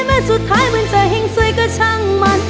แม้สุดท้ายมันจะแห่งสวยก็ช่างมัน